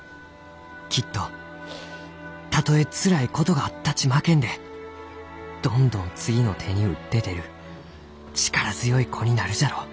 「きっとたとえつらいことがあったち負けんでどんどん次の手に打って出る力強い子になるじゃろう」。